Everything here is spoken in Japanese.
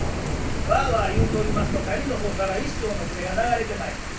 ワァワァ言うとりますと上の方から一艘の船が流れてまいります。